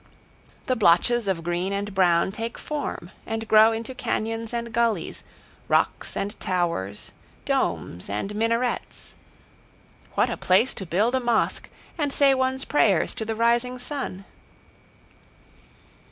The blotches of green and brown take form and grow into cañons and gullies, rocks and towers, domes and minarets. What a place to build a mosque, and say one's prayers to the rising sun!